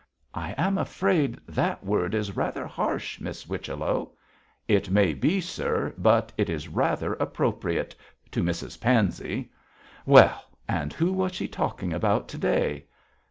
'I am afraid that word is rather harsh, Miss Whichello.' 'It may be, sir, but it is rather appropriate to Mrs Pansey! Well! and who was she talking about to day?'